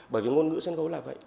bởi vì ngôn ngữ sân khấu là vậy